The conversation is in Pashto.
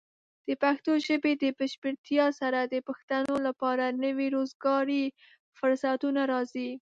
د پښتو ژبې د بشپړتیا سره، د پښتنو لپاره نوي روزګاري فرصتونه راځي.